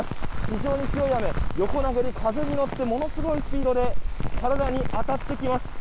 非常に強い雨、横殴り風に乗ってものすごいスピードで体に当たってきます。